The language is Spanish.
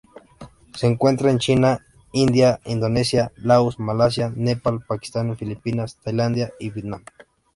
Se encuentra en China, India, Indonesia, Laos, Malasia, Nepal, Pakistán, Filipinas, Tailandia y Vietnam.